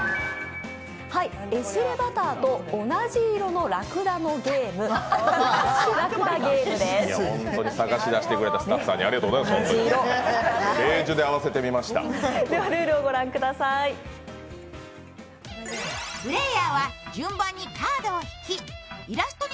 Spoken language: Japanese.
エシレバターと同じ色のラクダのゲーム、「クラッシュ！！